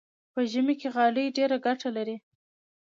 په ژمي کې غالۍ ډېره ګټه لري.